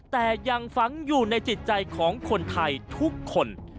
แต่ยังฝังอยู่ในจิตใจของคนไทยทุกคน